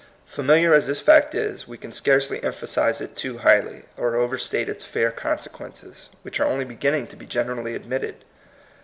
Familiar as this fact is, we can scarcely emphasize it too highly, or overstate its fair consequences, which are only beginning to be generally admitted.